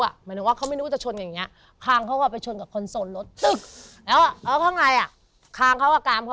เหมือนกับเขาไม่นึกว่าจะชนกันอย่างยัง